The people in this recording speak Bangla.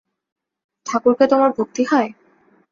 ঠাকুরকে তোমার ভক্তি হয়?